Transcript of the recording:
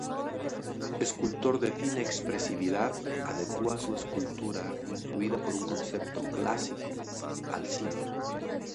Escultor de fina expresividad, adecua su escultura, influida por un concepto clásico, al símbolo.